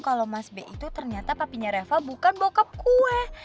kalau mas b itu ternyata papinya reva bukan bokap kue